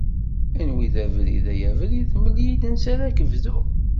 Anwa i d abrid ay abrid mel-iyi ansi ara ak-bduɣ.